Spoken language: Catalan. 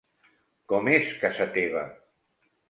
Com és casa teva?